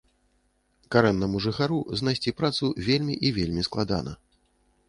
Карэннаму жыхару знайсці працу вельмі і вельмі складана.